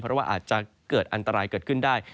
เพราะว่าอาจจะเกิดอันตรายเกิดขึ้นได้